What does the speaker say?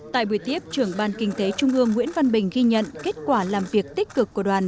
tại buổi tiếp trưởng ban kinh tế trung ương nguyễn văn bình ghi nhận kết quả làm việc tích cực của đoàn